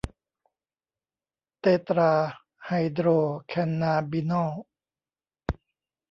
เตตราไฮโดรแคนนาบินอล